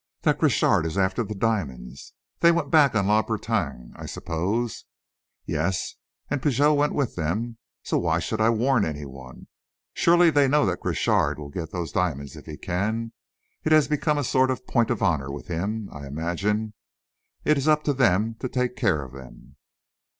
"That Crochard is after the diamonds. They went back on La Bretagne, I suppose?" "Yes and Pigot went with them. So why should I warn any one? Surely they know that Crochard will get those diamonds if he can. It has become a sort of point of honour with him, I imagine. It is up to them to take care of them."